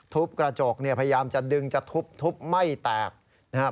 ทุบกระจกพยายามจะดึงจะทุบทุบไม่แตกนะครับ